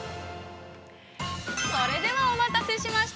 ◆それでは、お待たせしました。